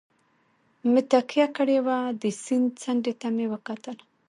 مې تکیه کړې وه، د سیند څنډې ته مې وکتل.